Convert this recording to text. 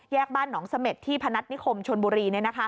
บ้านหนองเสม็ดที่พนัฐนิคมชนบุรี